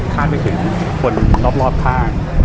ไปถึงคนรอบข้าง